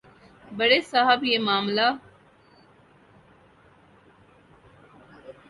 بڑے صاحب یہ معاملہ